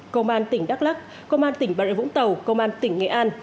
công an tỉnh đắk lắc công an tỉnh bà rịa vũng tàu công an tỉnh nghệ an